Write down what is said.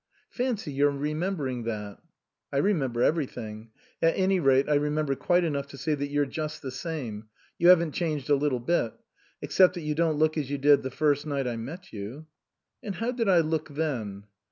" Fancy your remembering that !"" I remember everything. At any rate, I re member quite enough to see that you're just the same ; you haven't changed a little bit. Except that you don't look as you did the first night I met you." " And how did I look then